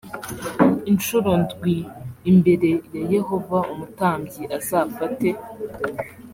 incuro ndwi imbere ya yehova umutambyi azafate